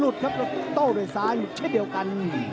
โต้โดยซ้ายอยู่เฉยเดียวกัน